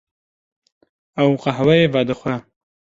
Ew qehweyê vedixwe.